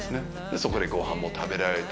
そこでごはんも食べられて。